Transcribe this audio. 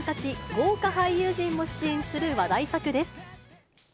豪華俳優陣も出演する話題作です。